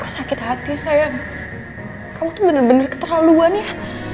aku sakit hati sayang kamu bener bener keterlaluan ya